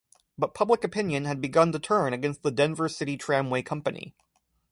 But public opinion had begun to turn against the Denver City Tramway Company.